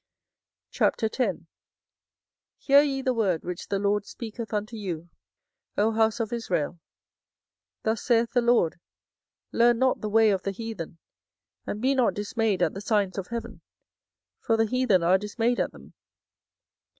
24:010:001 Hear ye the word which the LORD speaketh unto you, O house of Israel: 24:010:002 Thus saith the LORD, Learn not the way of the heathen, and be not dismayed at the signs of heaven; for the heathen are dismayed at them.